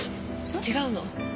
違うの。